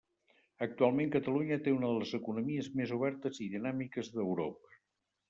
Actualment Catalunya té una de les economies més obertes i dinàmiques d'Europa.